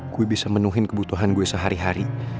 gue bisa menuhi kebutuhan gue sehari hari